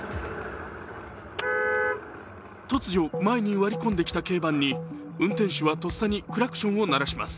突如、前に割り込んできた軽バンに運転手はとっさにクラクションを鳴らします。